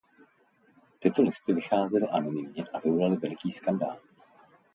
Tyto listy vycházely anonymně a vyvolaly veliký skandál.